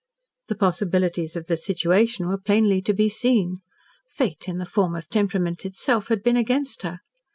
The possibilities of the situation were plainly to be seen. Fate, in the form of temperament itself, had been against her.